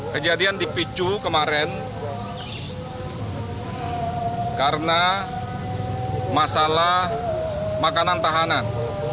kejadian dipicu kemarin karena masalah makanan tahanan